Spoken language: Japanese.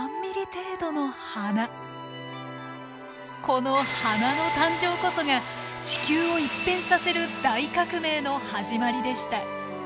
この花の誕生こそが地球を一変させる大革命の始まりでした。